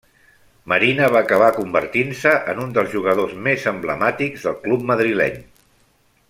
Marina va acabar convertint-se en un dels jugadors més emblemàtics del club madrileny.